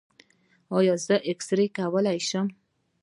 ایا زه اکسرې کولی شم؟